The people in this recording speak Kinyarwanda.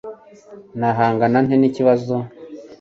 nahangana nte n'ikibazo